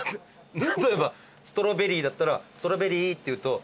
例えばストロベリーだったらストロベリーって言うと「何？